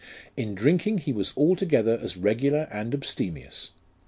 In drinking he was altogether as regular and abstemious.